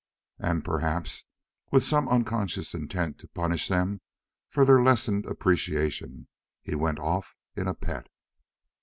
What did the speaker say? And perhaps with some unconscious intent to punish them for their lessened appreciation he went off in a pet.